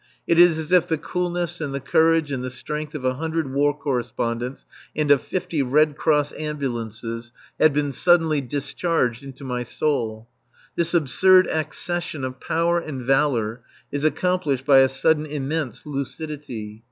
It is as if the coolness and the courage and the strength of a hundred War Correspondents and of fifty Red Cross Ambulances had been suddenly discharged into my soul. This absurd accession of power and valour is accompanied by a sudden immense lucidity.